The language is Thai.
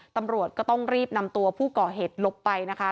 ตำรวจก็ต้องรีบนำตัวผู้ก่อเหตุหลบไปนะคะ